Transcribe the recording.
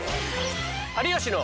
「有吉の」。